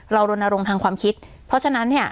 รณรงค์ทางความคิดเพราะฉะนั้นเนี่ย